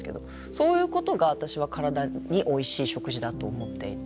そういうことが私は体においしい食事だと思っていて。